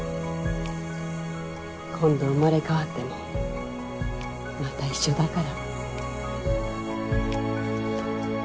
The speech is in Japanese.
今度生まれ変わってもまた一緒だから。